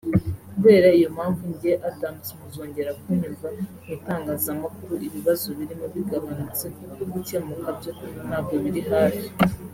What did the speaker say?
Kubera iyo mpamvu njye Adams muzongera kunyumva mu itangazamakuru ibibazo birimo bigabanutse kuko gukemuka byo ntabwo biri hafi